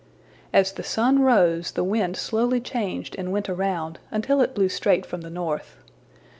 As the sun rose, the wind slowly changed and went around, until it blew straight from the north.